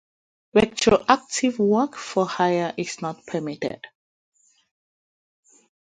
Retroactive work for hire is not permitted.